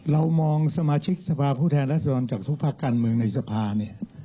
เรามองสมาชิกสภาพผู้แทนรัศดรจากทุกภาคการเมืองในสภาเนี่ย